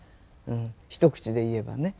一口で言えばね。